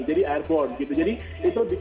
jadi airborne jadi itu